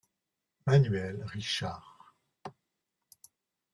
Manuel Richard.